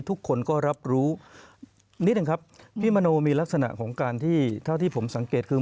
ทุกคนก็รับรู้นิดนึงครับพี่มโนมีลักษณะของการที่เท่าที่ผมสังเกตคือ